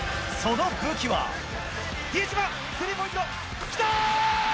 比江島、スリーポイント、来た。